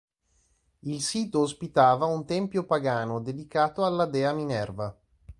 Il sito ospitava un tempio pagano dedicato alla dea Minerva.